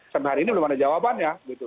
sampai hari ini belum ada jawabannya